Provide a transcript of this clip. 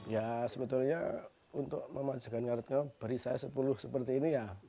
ya sebetulnya untuk memanjakan kartika beri saya sepuluh seperti ini ya